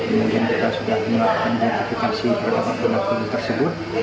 kemudian kita sudah mendiskualifikasi pelaku tersebut